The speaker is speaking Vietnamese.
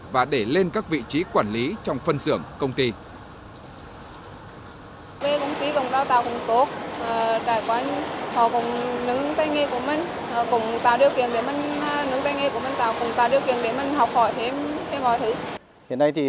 và để lên các vị trí quản lý trong phân xưởng công ty